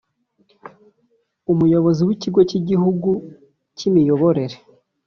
Umuyobozi w’Ikigo cy’Igihugu cy’imiyoborere